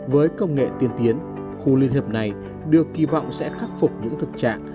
với công nghệ tiên tiến khu liên hiệp này được kỳ vọng sẽ khắc phục những thực trạng